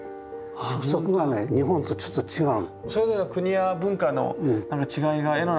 そこがね日本とちょっと違う。